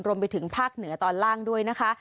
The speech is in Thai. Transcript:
รวมไปถึงภาคเหนือตอนล่างด้วยนะคะ